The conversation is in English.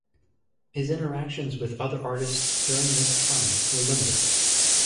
His interactions with other artists during this time were limited.